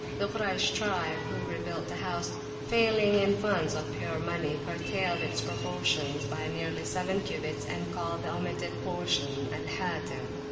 The Kuraysh tribe, who rebuilt the house, failing in funds of pure money, curtailed its proportions by nearly seven cubits and called the omitted portion Al Hatim.